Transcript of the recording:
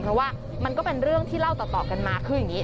เพราะว่ามันก็เป็นเรื่องที่เล่าต่อกันมาคืออย่างนี้